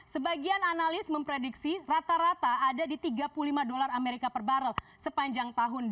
sebagian analis memprediksi rata rata ada di tiga puluh lima dolar amerika per barrel sepanjang tahun